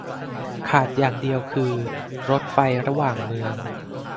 ขาดอย่างเดียวคือรถไฟระหว่างเมือง